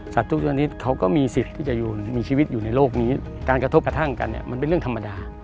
ทุกชนิดเขาก็มีสิทธิ์ที่จะมีชีวิตอยู่ในโลกนี้การกระทบกระทั่งกันเนี่ยมันเป็นเรื่องธรรมดา